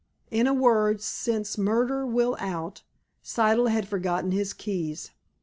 In a word, since murder will out, Siddle had forgotten his keys!